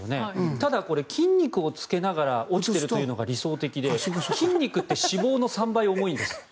ただ、筋肉をつけながら落ちているというのが理想的で筋肉って脂肪の３倍重いんです。